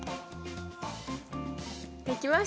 できました！